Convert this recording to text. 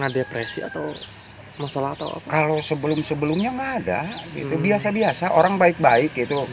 depresi atau masalah kalau sebelum sebelumnya nggak ada gitu biasa biasa orang baik baik itu